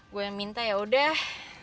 gue yang minta yaudah